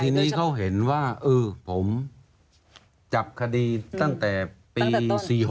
ทีนี้เขาเห็นว่าผมจับคดีตั้งแต่ปี๔๖